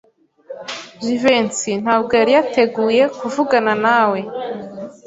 Jivency ntabwo yari yateguye kuvugana nawe.